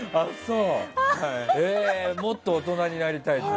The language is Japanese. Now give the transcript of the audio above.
もっと大人になりたいんだ。